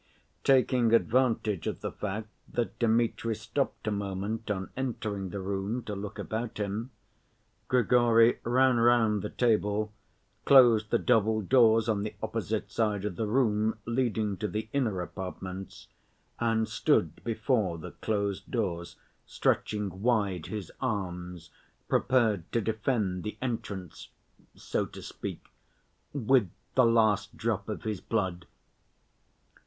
Taking advantage of the fact that Dmitri stopped a moment on entering the room to look about him, Grigory ran round the table, closed the double doors on the opposite side of the room leading to the inner apartments, and stood before the closed doors, stretching wide his arms, prepared to defend the entrance, so to speak, with the last drop of his blood.